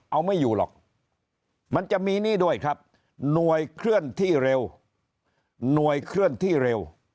เอาไม่อยู่หรอกมันจะมีนี่ด้วยครับหน่วยเคลื่อนที่เร็วหน่วยเคลื่อนที่เร็ว